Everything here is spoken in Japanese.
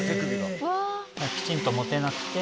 きちんと持てなくて。